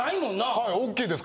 はい大きいです。